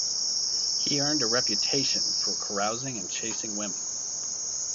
He earned a reputation for carousing and chasing women.